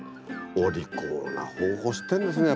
お利口な方法知ってんですね